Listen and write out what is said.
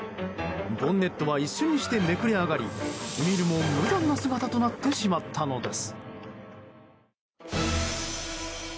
ボンネットは一瞬にしてめくれ上がり見るも無残な姿となってしまったのです。